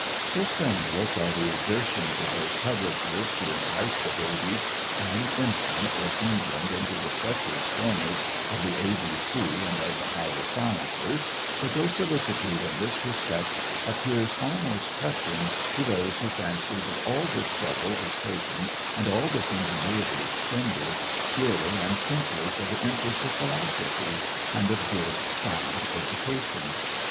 So strenuous are the exertions of those publishers to entice the babes and infants of England into the treacherous corners of the A, B, C, and of the higher sciences, that their solicitude in this respect appears almost touching to those who fancy that all this trouble is taken and all this ingenuity expended, purely and simply for the interest of philanthropy, and of good sound education.